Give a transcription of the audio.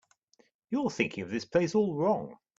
You're thinking of this place all wrong.